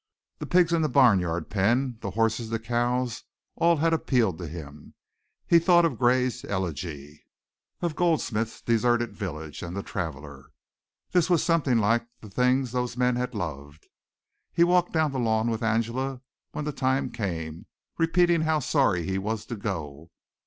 The pigs in the barnyard pen, the horses, the cows, all had appealed to him. He thought of Gray's "Elegy" of Goldsmith's "Deserted Village" and "The Traveller." This was something like the things those men had loved. He walked down the lawn with Angela, when the time came, repeating how sorry he was to go.